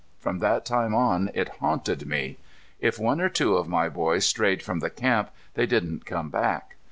From that time on it haunted me. If one or two of my boys strayed from the camp, they didn't come back.